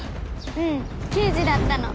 うん刑事だったの。